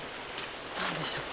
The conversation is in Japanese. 何でしょう。